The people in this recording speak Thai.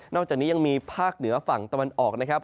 อกจากนี้ยังมีภาคเหนือฝั่งตะวันออกนะครับ